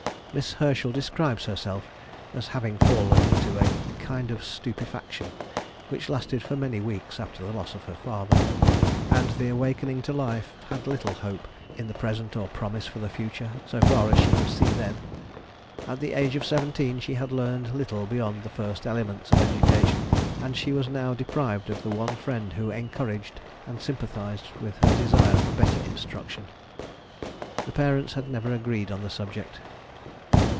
Miss Herschel describes herself as having fallen into "a kind of stupefaction," which lasted for many weeks after the loss of her father, and the awakening to life had little of hope in the present or promise for the future, so far as she could see then. At the age of seventeen she had learned little beyond the first elements of education, and she was now deprived of the one friend who encouraged and sympathised with her desire for better instruction. The parents had never agreed on the subject.